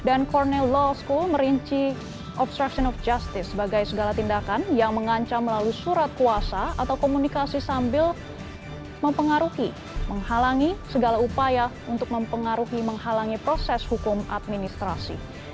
dan cornell law school merinci obstruction of justice sebagai segala tindakan yang mengancam melalui surat kuasa atau komunikasi sambil mempengaruhi menghalangi segala upaya untuk mempengaruhi menghalangi proses hukum administrasi